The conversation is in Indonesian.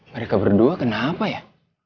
mereka berdua kenapa ya